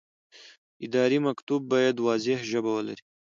اداري مکتوب باید واضح ژبه ولري.